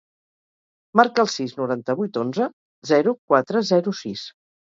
Marca el sis, noranta-vuit, onze, zero, quatre, zero, sis.